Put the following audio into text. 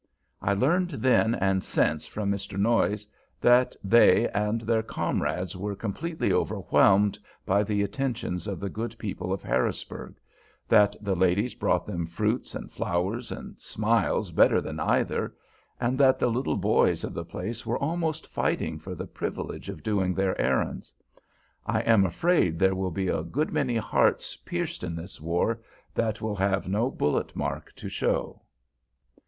I learned then and since from Mr. Noyes that they and their comrades were completely overwhelmed by the attentions of the good people of Harrisburg, that the ladies brought them fruits and flowers, and smiles, better than either, and that the little boys of the place were almost fighting for the privilege of doing their errands. I am afraid there will be a good many hearts pierced in this war that will have no bulletmark to show.